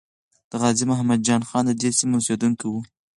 د غازی محمد جان خان ددې سیمې اسیدونکی وو.